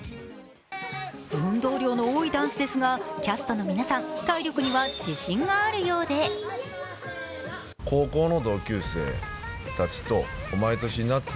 運動量の多いダンスですがキャストの皆さん体力には自信があるようで早乙女太一、役作りに困惑？